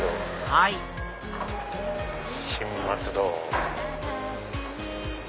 はい新松戸。